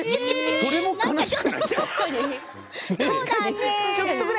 それも悲しくないですか。